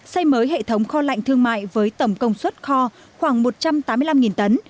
xây mới hệ thống kho lạnh thương mại với tổng công suất kho khoảng một trăm tám mươi năm tấn